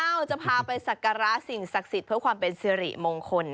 เราจะพาไปสักการะสิ่งศักดิ์สิทธิ์เพื่อความเป็นสิริมงคล